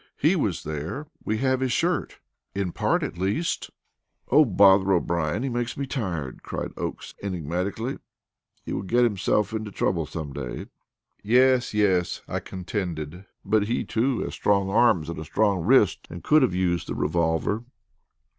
He was there; we have his shirt in part at least." "Oh, bother O'Brien! he makes me tired," cried Oakes enigmatically; "he will get himself into trouble some day." "Yes, yes," I contended; "but he too has strong arms and a strong wrist and could have used the revolver."